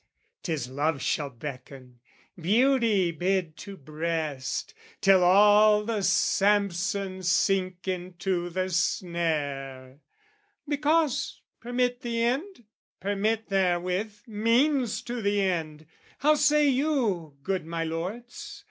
'Tis love shall beckon, beauty bid to breast, Till all the Samson sink into the snare! Because, permit the end permit therewith Means to the end! How say you, good my lords?